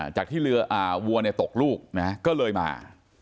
จากที่เรือวัวตกลูกก็เลยมา